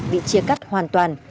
bị chia cắt hoàn toàn